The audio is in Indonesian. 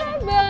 baik ibu rosa